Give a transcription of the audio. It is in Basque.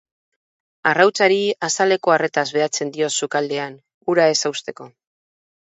Arrautzari azaleko arretaz behatzen diot sukaldean, hura ez hausteko.